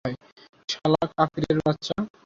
শালা কাফিরের বাচ্চা!